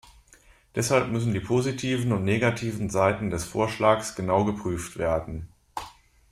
Deshalb müssen die positiven und negativen Seiten des Vorschlags genau geprüft werden.